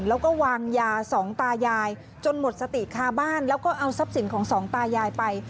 แล้วก็วางยาสองตายายจนหมดสติคาบ้านแล้วก็เอาทรัพย์สินของสองตายายไป